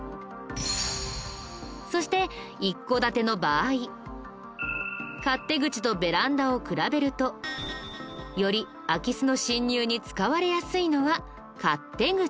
そして勝手口とベランダを比べるとより空き巣の侵入に使われやすいのは勝手口。